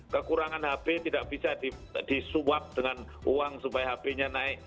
kekurangan hp tidak bisa disuap dengan uang supaya hp nya naik